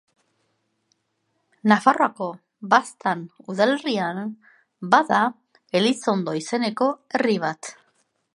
Nafarroako Baztan udalerrian bada Elizondo izeneko herri bat.